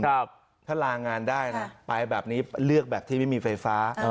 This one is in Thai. ถ้าลางานได้นะไปแบบนี้เลือกแบบที่ไม่มีไฟฟ้า